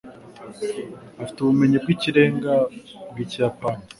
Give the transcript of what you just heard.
Afite ubumenyi bwikirenga bwikiyapani.